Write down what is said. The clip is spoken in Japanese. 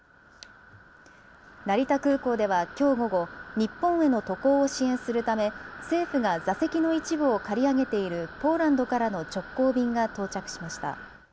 成田空港ではきょう午後、日本への渡航を支援するため政府が座席の一部を借り上げているポーランドからの直行便が到着しました。